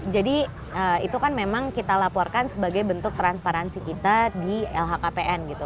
jadi itu kan memang kita laporkan sebagai bentuk transparansi kita di lhkpn gitu